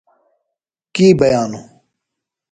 کی بئانوۡ؟